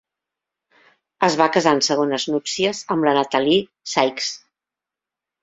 Es va casar en segones núpcies amb la Natalie Sykes.